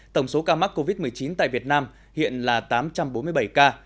tổng số ca mắc covid một mươi chín tại việt nam hiện là tám trăm bốn mươi bảy ca